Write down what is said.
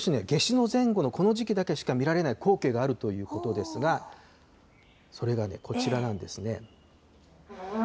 毎年ね、夏至の前後のこの時期だけしか見られない光景があるということですが、それがね、こちらなんですね。